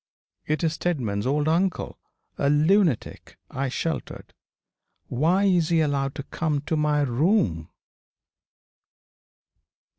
It is Steadman's old uncle a lunatic I sheltered. Why is he allowed to come to my room?'